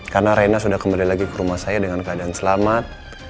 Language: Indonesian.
karena rena sudah kembali lagi ke rumah saya dengan keadaan selamat